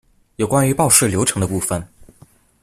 有關於報稅流程的部分